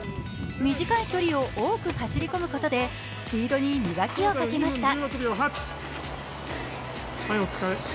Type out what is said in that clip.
短い距離を多く走り込むことでスピードに磨きをかけました。